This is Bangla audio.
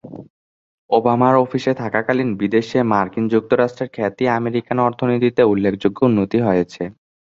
ওবামার অফিসে থাকাকালীন বিদেশে মার্কিন যুক্তরাষ্ট্রের খ্যাতি, আমেরিকান অর্থনীতিতে উল্লেখযোগ্য উন্নতি হয়েছে।